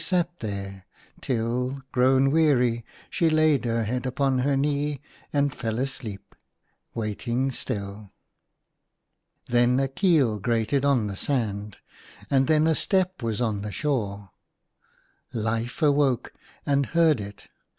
sat there, till, grown weary, she laid her head upon her knee and fell asleep, waiting still. Then a keel grated on the sand, and then a step was on the shore — Life awoke and heard it.